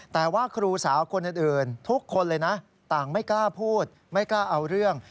แต่ว่าครูสาวคนอื่นทุกคนเลยนะต่างไม่กล้าพูดไม่กล้าเอาเรื่อง